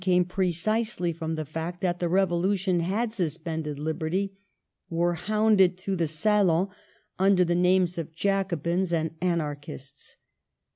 9 1 came precisely from the fact that the Revolution had suspended liberty, were hounded through the salons under the names of Jacobins and Anarch ists.